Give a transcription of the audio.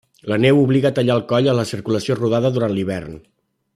La neu obliga a tallar el coll a la circulació rodada durant l'hivern.